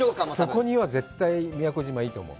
そこには絶対、宮古島はいいと思う。